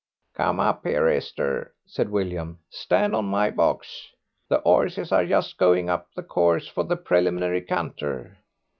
"Come up here, Esther," said William; "stand on my box. The 'orses are just going up the course for the preliminary canter.